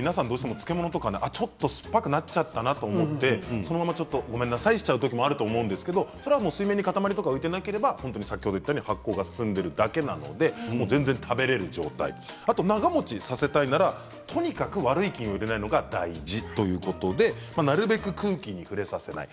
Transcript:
お漬物とかちょっと酸っぱくなっちゃうかなと思ってごめんなさいしちゃう時もあると思うんですが水面に塊が浮いていなければ発酵が進んでるだけなので全然、食べられる状態長もちさせたいなら、とにかく悪い菌を入れないのが大事ということでなるべく空気に触れさせない。